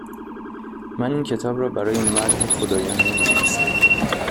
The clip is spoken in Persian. من این کتاب ر ا برای مدح خدایان نمی نویسم